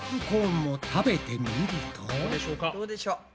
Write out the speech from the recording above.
どうでしょうか？